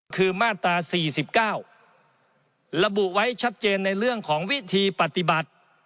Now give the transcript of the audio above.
คือมาตรา๔๙ระบุไว้ชัดเจนในเรื่องของวิธีปฏิบัติ